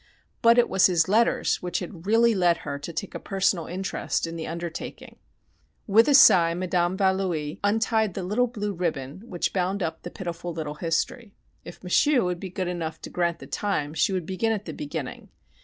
But it was his letters which had really led her to take a personal interest in the undertaking. With a sigh Madame Valoie untied the little blue ribbon which bound up the pitiful little history. If M'sieu' would be good enough to grant the time she would begin at the beginning.